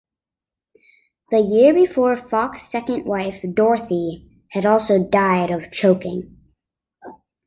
The year before, Foxx's second wife, Dorothy, had also died of choking.